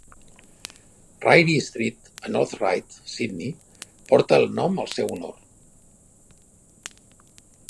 Ryrie Street a North Ryde, Sidney, porta el nom al seu honor.